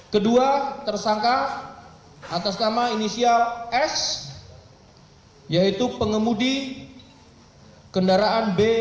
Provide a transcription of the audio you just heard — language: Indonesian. kedua tersangka atas nama inisial s yaitu pengemudi kendaraan b sembilan puluh empat ribu satu ratus enam